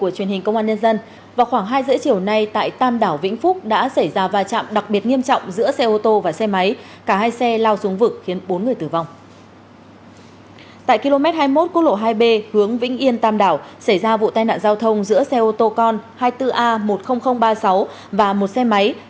cảm ơn các bạn đã theo dõi